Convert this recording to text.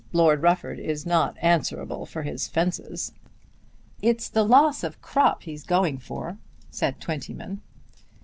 Lord Rufford is not answerable for his fences." "It's the loss of crop he's going for," said Twentyman.